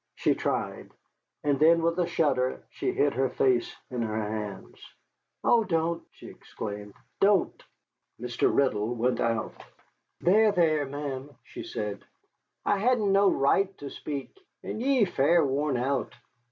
She tried. And then, with a shudder, she hid her face in her hands. "Oh, don't!" she exclaimed, "don't!" Mr. Riddle went out. "There, there, ma'am," she said, "I hedn't no right ter speak, and ye fair worn out."